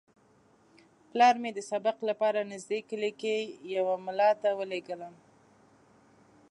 پلار مې د سبق لپاره نږدې کلي کې یوه ملا ته ولېږلم.